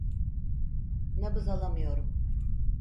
Nabız alamıyorum.